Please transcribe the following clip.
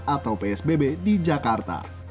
atau psbb di jakarta